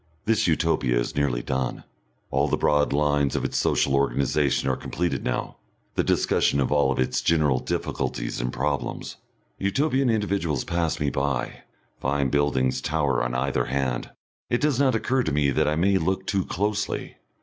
This Utopia is nearly done. All the broad lines of its social organisation are completed now, the discussion of all its general difficulties and problems. Utopian individuals pass me by, fine buildings tower on either hand; it does not occur to me that I may look too closely.